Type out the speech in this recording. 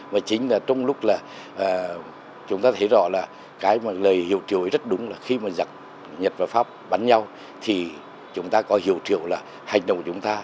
và chính là trong lúc chúng ta thấy rõ là lời hiệu triệu rất đúng là khi mà nhật và pháp bắn nhau thì chúng ta có hiệu triệu là hành động của chúng ta